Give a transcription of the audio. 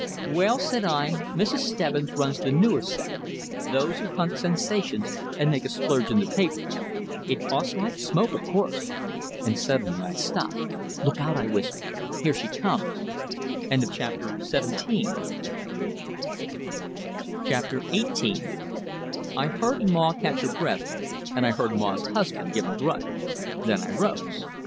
"Well," said I, "Mrs. Stebbins runs the newer set those who hunt sensations, and make a splurge in the papers. It costs like smoke, of course " And suddenly I stopped. "Look out!" I whispered. "Here she comes!" XVIII I heard Maw catch her breath, and I heard Maw's husband give a grunt. Then I rose.